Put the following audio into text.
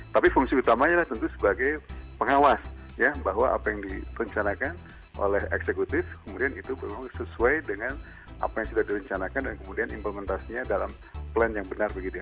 tapi fungsi utamanya tentu sebagai pengawas ya bahwa apa yang direncanakan oleh eksekutif kemudian itu memang sesuai dengan apa yang sudah direncanakan dan kemudian implementasinya dalam plan yang benar begitu ya